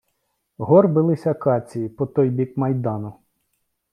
Горбились акації по той бік майдану.